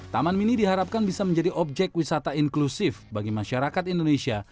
taman mini diharapkan bisa menjadi objek wisata inklusif bagi masyarakat indonesia